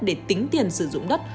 để tính tiền sử dụng đất